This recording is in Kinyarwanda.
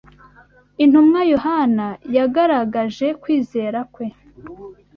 Intumwa Yohana yagaragaje kwizera kwe